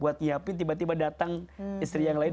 buat nyiapin tiba tiba datang istri yang lain